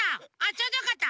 ちょうどよかった。